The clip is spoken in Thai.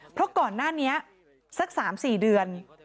เพราะก่อนหน้านี้สัก๓๔เดือน